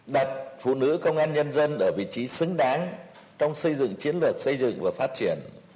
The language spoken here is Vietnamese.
đặt phụ nữ công an nhân dân ở vị trí xứng đáng trong xây dựng chiến lược xây dựng và phát triển